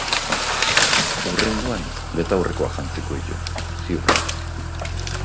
Hurrengoan, betaurrekoak jantziko ditu, ziur.